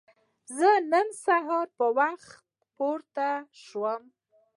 زه نن سهار په وخت راپورته شوم.